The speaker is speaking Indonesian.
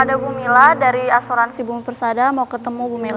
ada bu mila dari asuransi bumbu persada mau ketemu bu mila